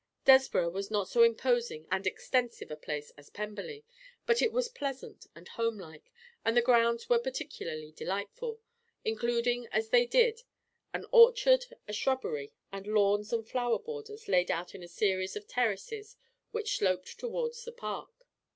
Desborough was not so imposing and extensive a place as Pemberley, but it was pleasant and home like, and the grounds were particularly delightful, including as they did an orchard, a shrubbery, and lawns and flower borders laid out in a series of terraces which sloped towards the park.